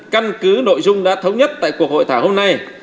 căn cứ nội dung đã thống nhất tại cuộc hội thảo hôm nay